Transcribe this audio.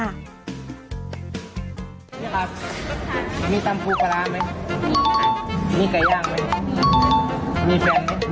นี่ครับมีตำปูปลาร้าไหม